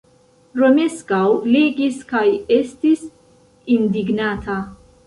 Romeskaŭ legis kaj estis indignata.